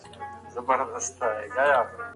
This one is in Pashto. دا د مثبت شهرت یوه لویه سرچینه ده.